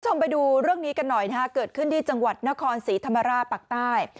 ชมไปดูเรื่องนี้กันหน่อยเกิดขึ้นที่จังหวัดนธรนศ์ศรีธรรมราต์ปลากใต้